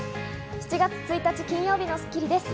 ７月１日、金曜日の『スッキリ』です。